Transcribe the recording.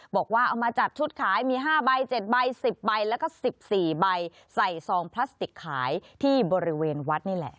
บอกว่าเอามาจัดชุดขายมี๕ใบ๗ใบ๑๐ใบแล้วก็๑๔ใบใส่ซองพลาสติกขายที่บริเวณวัดนี่แหละ